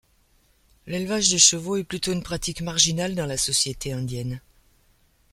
L'élevage de chevaux est plutôt une pratique marginale dans la société indienne.